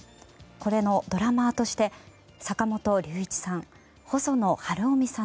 これのドラマーとして坂本龍一さん